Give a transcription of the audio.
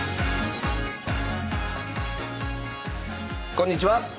こんにちは。